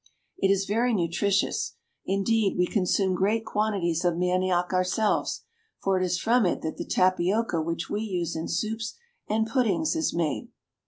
It is very nutritious. Indeed, we consume great quantities of manioc ourselves, for it is from it that the tapioca which we use in soups and puddings is made.